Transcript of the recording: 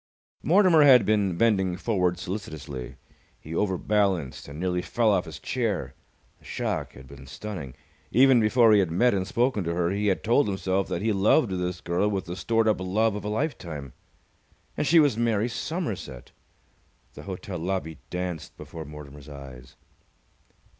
Mortimer had been bending forward solicitously. He overbalanced and nearly fell off his chair. The shock had been stunning. Even before he had met and spoken to her, he had told himself that he loved this girl with the stored up love of a lifetime. And she was Mary Somerset! The hotel lobby danced before Mortimer's eyes.